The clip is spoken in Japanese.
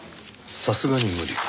さすがに無理が。